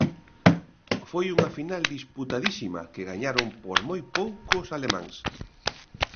Foi unha final disputadísima que gañaron por moi pouco os alemáns.